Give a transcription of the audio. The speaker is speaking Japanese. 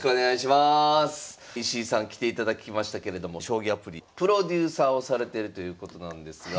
石井さん来ていただきましたけれども将棋アプリプロデューサーをされてるということなんですが。